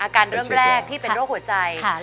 อาการเริ่มแรกที่เป็นโรคหัวใจค่ะ